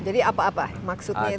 jadi apa apa maksudnya itu apa